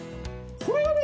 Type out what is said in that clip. これはね